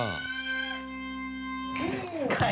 ใครนะเรา